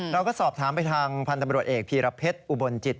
เราก็สอบถามไปทางพันธบรวจเอกพีรเพชรอุบลจิต